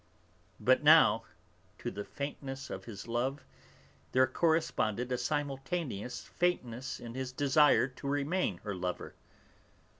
But now, to the faintness of his love there corresponded a simultaneous faintness in his desire to remain her lover.